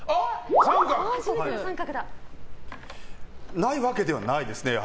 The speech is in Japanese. ないわけではないですね。